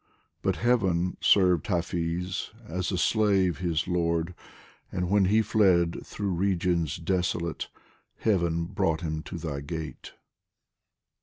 But Heaven served Hafiz, as a slave his lord, And when he fled through regions desolate, Heaven brought him to thy gate.